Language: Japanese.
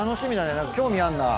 興味あるな。